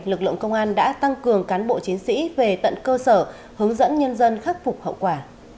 lực lượng công an đã tăng cường cán bộ chiến sĩ về tận cơ sở hướng dẫn nhân dân khắc phục hậu quả